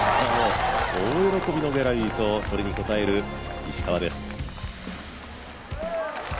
大喜びのギャラリーとそれに応える石川です。